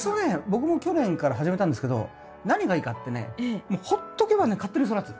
僕も去年から始めたんですけど何がいいかってねもうほっとけばね勝手に育つ。